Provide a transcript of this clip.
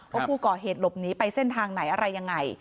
ว่าผู้ก่อเหตุหลบหนีไปเส้นทางไหนอะไรยังไง